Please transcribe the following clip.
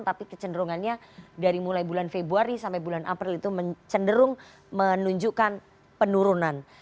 tapi kecenderungannya dari mulai bulan februari sampai bulan april itu cenderung menunjukkan penurunan